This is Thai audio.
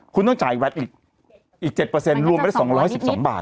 คุณต้องจ่ายแวตอีกอีกเจ็ดเปอร์เซ็นต์รวมไปได้สองร้อยสิบสองบาท